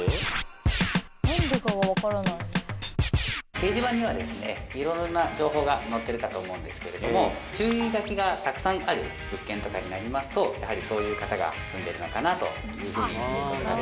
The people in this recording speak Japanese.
掲示板にはですねいろいろな情報が載ってるかと思うんですけれども注意書きがたくさんある物件とかになりますとやはりそういう方が住んでるのかなというふうに見ることができる。